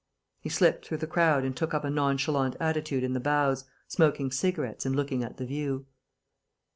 He slipped through the crowd and took up a nonchalant attitude in the bows, smoking cigarettes and looking at the view.